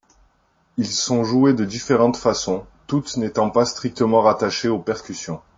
Ils sont joués de différentes façons, toutes n'étant pas strictement rattachées aux percussions.